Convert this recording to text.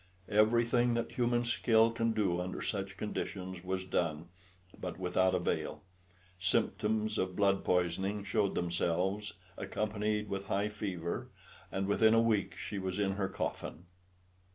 Everything that human skill can do under such conditions was done, but without avail. Symptoms of blood poisoning showed themselves, accompanied with high fever, and within a week she was in her coffin.